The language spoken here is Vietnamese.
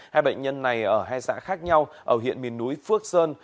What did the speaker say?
hai bệnh nhân này ở hai xã khác nhau ở huyện miền núi phước sơn